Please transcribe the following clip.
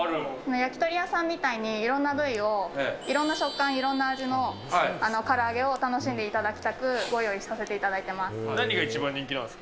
焼き鳥屋さんみたいにいろんな部位をいろんな食感、いろんな味のから揚げを楽しんでいただきたく、ご用意させていただいてます。